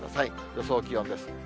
予想気温です。